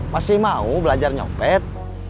masih mau belajar nyopet